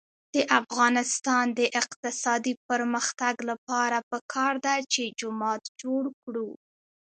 د افغانستان د اقتصادي پرمختګ لپاره پکار ده چې جومات جوړ کړو.